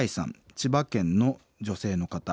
千葉県の女性の方。